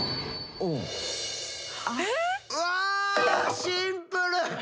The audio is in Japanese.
うわシンプル！